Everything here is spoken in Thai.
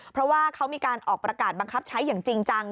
เพราะว่าเขามีการออกประกาศบังคับใช้อย่างจริงจัง